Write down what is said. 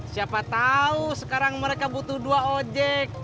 siapa tahu sekarang mereka butuh dua ojek